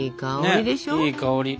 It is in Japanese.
いい香り！